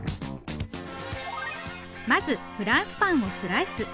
まずフランスパンをスライス。